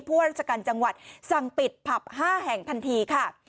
ว่าราชการจังหวัดสั่งปิดผับ๕แห่งทันทีค่ะ